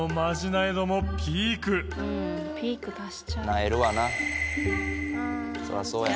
なえるわな。